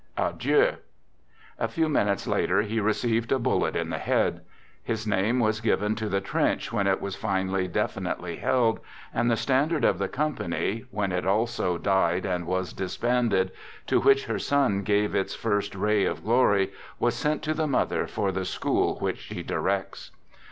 Adieu." A few minutes later he received a bullet in the head. His name was given to the trench when it was finally definitely held, and the standard of the company — when it also " died " and was disbanded — to which her son gave its first " ray of glory " was sent to the mother for the school which she directs.